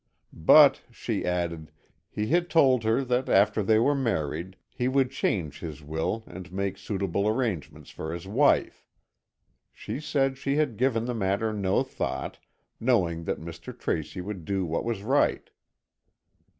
But, she added, he had told her that after they were married, he would change his will and make suitable arrangements for his wife. She said she had given the matter no thought, knowing that Mr. Tracy would do what was right.